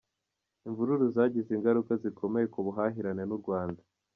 Imvururu zagize ingaruka zikomeye ku buhahirane n’u Rwanda.